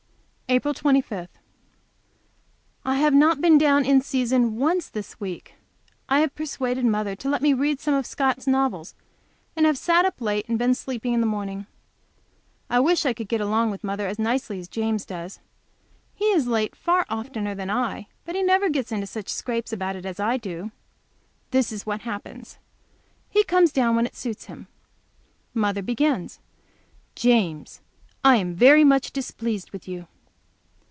April 25. I have not been down in season once this week. I have persuaded mother to let me read some of Scott's novels, and have sat up late and been sleepy in the morning. I wish I could get along with mother as nicely as James does. He is late far oftener than I am, but he never gets into such scrapes about it as I do. This is what happens. He comes down when it suits him. Mother begins. "James, I am very much displeased with you."